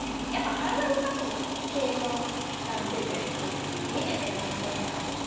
体動かす系のテレビすごく見てて楽しそうだなと思って。